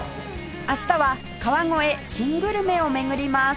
明日は川越新グルメを巡ります